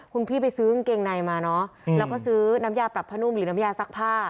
คุณพี่ไปซื้อกางเกงในมาเนอะแล้วก็ซื้อน้ำยาปรับผ้านุ่มหรือน้ำยาซักผ้า